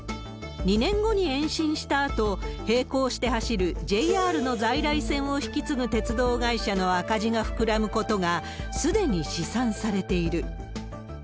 ２年後に延伸したあと、並行して走るＪＲの在来線を引き継ぐ鉄道会社の赤字が膨らむことが、すでに試算されている。